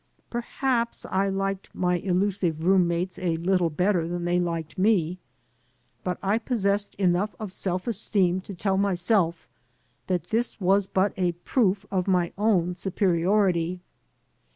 Perhaps I liked my elusive room mates a little better than they liked me. But I possessed 207 AN AMERICAN IN THE MAKING enough of self esteem to tell myseU that this was but a proof of my own superiority.